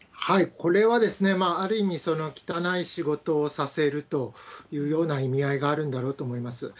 これはある意味、汚い仕事をさせるというような意味合いがあるんだろうと思います。